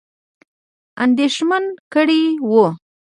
اندېښمن کړي وه.